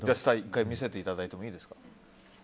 １回、見せていただいていいですか。